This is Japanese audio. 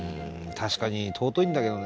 確かに尊いんだけどね。